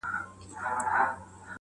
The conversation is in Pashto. ځم ورته را وړم ستوري په لپه كي.